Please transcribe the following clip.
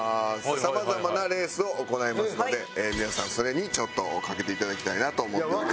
さまざまなレースを行いますので皆さんそれにちょっと賭けていただきたいなと思っております。